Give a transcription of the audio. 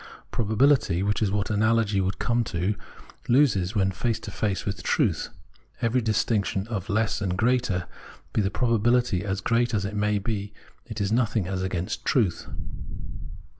Probability, which is what analogy would come to, loses, when face to face with truth, every distinction of less and greater ; be the pro bability as great as it may it is nothing as against truth.